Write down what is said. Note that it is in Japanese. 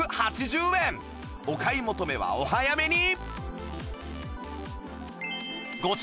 お買い求めはお早めに！